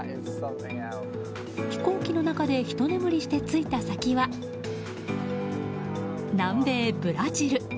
飛行機の中でひと眠りして着いた先は南米ブラジル。